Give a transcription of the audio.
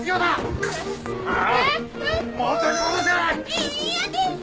い嫌です！